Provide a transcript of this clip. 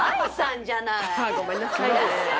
ごめんなさいね。